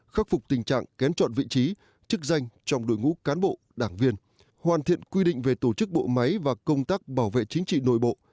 khắc phục tình trạng kén chọn vị trí chức danh trong đội ngũ cán bộ đảng viên hoàn thiện quy định về tổ chức bộ máy và công tác bảo vệ chính trị nội bộ